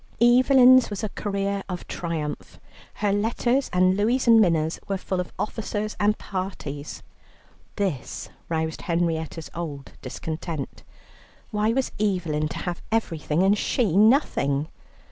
Evelyn's was a career of triumph. Her letters, and Louie's and Minna's were full of officers and parties. This roused Henrietta's old discontent. Why was Evelyn to have everything and she nothing?